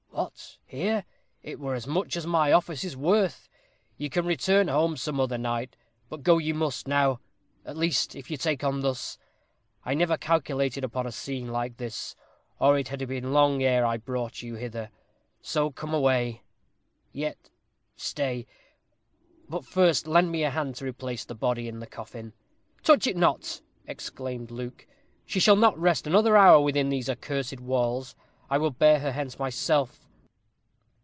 "What, here? It were as much as my office is worth. You can return some other night. But go you must, now at least, if you take on thus. I never calculated upon a scene like this, or it had been long ere I brought you hither. So come away; yet, stay; but first lend me a hand to replace the body in the coffin." "Touch it not," exclaimed Luke; "she shall not rest another hour within these accursed walls. I will bear her hence myself."